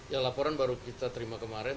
ya laporan baru kita terima kemarin